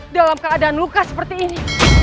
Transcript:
dalam keadaan luka seperti ini